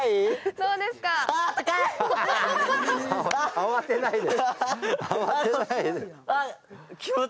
慌てないで。